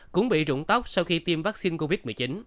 cũng bị rụng tóc sau khi tiêm vaccine covid một mươi chín